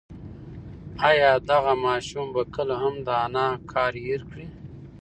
ایا دغه ماشوم به کله هم د انا قهر هېر کړي؟